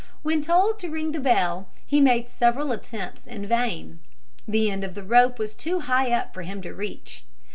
When told to ring the bell, he made several attempts in vain. The end of the rope was too high up for him to reach.